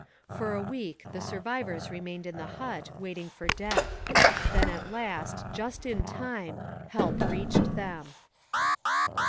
For a week the survivors remained in the hut, waiting for death. Then at last, and just in time, help reached them.